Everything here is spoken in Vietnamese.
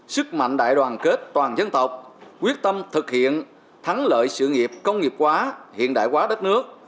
sức mạnh đại đoàn kết toàn dân tộc quyết tâm thực hiện thắng lợi sự nghiệp công nghiệp hóa hiện đại hóa đất nước